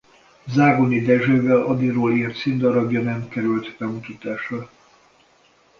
Zágoni Dezsővel Adyról írt színdarabja nem került bemutatásra.